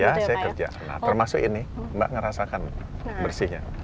ya saya kerja nah termasuk ini mbak ngerasakan bersihnya